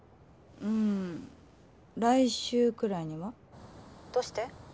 うん来週くらいには☎どうして？